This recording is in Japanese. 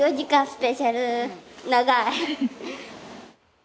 スペシャル長い。